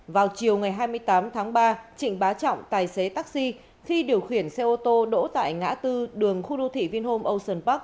vào chiều ngày hai mươi tám tháng ba trịnh bá trọng tài xế taxi khi điều khiển xe ô tô đỗ tại ngã tư đường khu đô thị vinhome ocean park